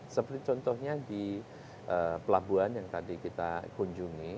seperti contohnya di pelabuhan yang tadi kita kunjungi